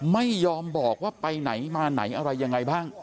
ไม่ยอมบอกว่าไปไหนมาไหนอะไรยังไงบ้าง